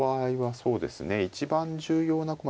そうですね。